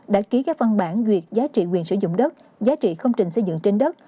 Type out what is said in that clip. đã ký các văn bản duyệt giá trị quyền sử dụng đất giá trị công trình xây dựng trên đất